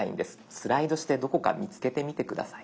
スライドしてどこか見つけてみて下さい。